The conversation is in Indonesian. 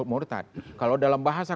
murtad kalau dalam bahasa